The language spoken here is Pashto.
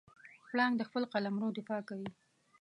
پړانګ د خپل قلمرو دفاع کوي.